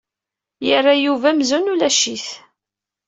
Yerra Yuba amzun ulac-it.